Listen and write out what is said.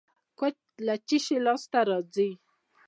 کوچ له څه شي لاسته راځي؟